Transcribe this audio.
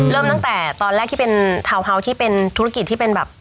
เริ่มตั้งแต่ตอนแรกที่เป็นทาวน์เฮาส์ที่เป็นธุรกิจที่เป็นแบบ